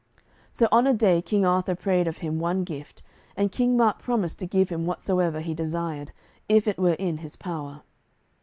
So on a day King Arthur prayed of him one gift, and King Mark promised to give him whatsoever he desired, if it were in his power.